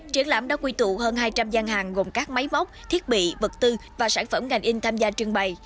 triển lãm đã quy tụ hơn hai trăm linh gian hàng gồm các máy móc thiết bị vật tư và sản phẩm ngành in tham gia trưng bày